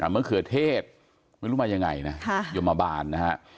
มะเขือเทศไม่รู้มายังไงนะยมบาลนะฮะ